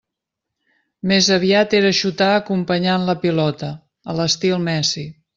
Més aviat era xutar acompanyant la pilota, a l'estil Messi.